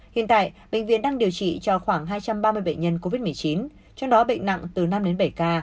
hiện tại bệnh viện đang điều trị cho khoảng hai trăm ba mươi bệnh nhân covid một mươi chín trong đó bệnh nặng từ năm đến bảy ca